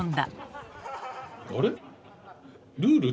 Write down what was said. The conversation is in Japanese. あれ？